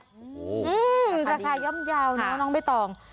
อื้อราคาย่ำยาวเนอะน้องเบ้ตอง